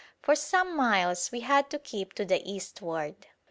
For some miles we had to keep to the eastward.